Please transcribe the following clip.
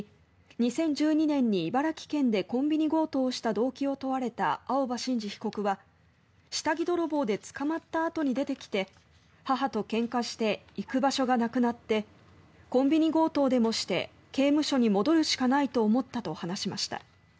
２０１２年に茨城県でコンビニ強盗をした動機を問われた青葉真司被告は、下着泥棒で捕まったあとに出てきて母とけんかして行く場所がなくなってコンビニ強盗でもして刑務所に戻るしかないと思ったと話しました。